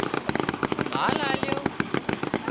مال آليو